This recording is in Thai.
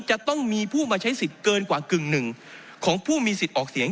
จะต้องมีผู้มาใช้สิทธิ์เกินกว่ากึ่งหนึ่งของผู้มีสิทธิ์ออกเสียง